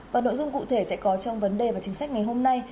và nội dung cụ thể sẽ có trong vấn đề và chính sách ngày hôm nay